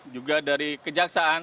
juga dari kejaksaan